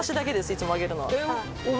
いつもあげるのは。